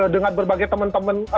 dengan berbagai teman teman